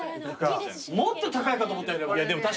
もっと高いかと思った。